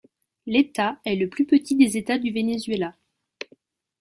L'État est le plus petit des États du Venezuela.